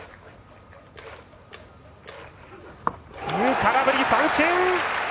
空振り三振！